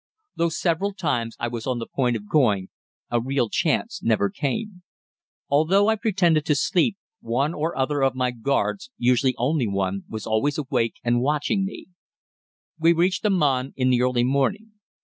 Though several times I was on the point of going, a real chance never came. Although I pretended to sleep, one or other of my guards, usually only one, was always awake and watching me. We reached Aman in the early morning.